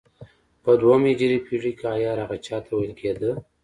په دوهمه هجري پېړۍ کې عیار هغه چا ته ویل کېده.